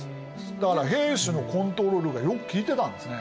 だから平氏のコントロールがよくきいてたんですね。